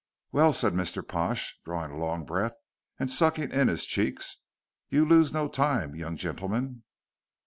"Well," said Mr. Pash, drawing a long breath and sucking in his cheeks, "you lose no time, young gentleman."